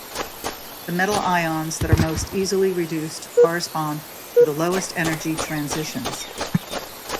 The metal ions that are most easily reduced correspond to the lowest energy transitions.